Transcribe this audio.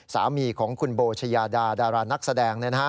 สามีของคุณโบชายาดาดารานักแสดง